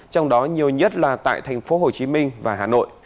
trong đó nhiều nhất là tại tp hcm và hà nội